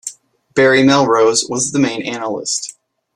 Barry Melrose was the main analyst.